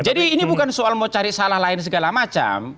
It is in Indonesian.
jadi ini bukan soal mau cari salah lain segala macam